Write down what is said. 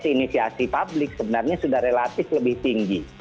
inisiasi publik sebenarnya sudah relatif lebih tinggi